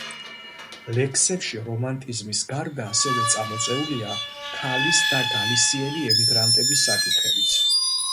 ლექსებში რომანტიზმის გარდა ასევე წამოწეულია ქალის და გალისიელი ემიგრანტების საკითხებიც.